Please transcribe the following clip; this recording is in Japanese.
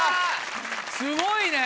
すごいね！